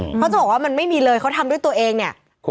เขาจะบอกว่ามันไม่มีเลยเขาทำด้วยตัวเองเนี่ย